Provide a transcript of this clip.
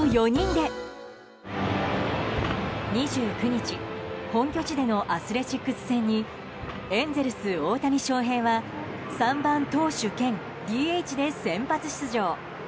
２９日、本拠地でのアスレチックス戦にエンゼルス、大谷翔平は３番投手兼ＤＨで先発出場。